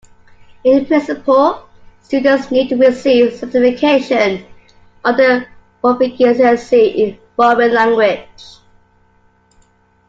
In principle, students need to receive certification on their proficiency in foreign language.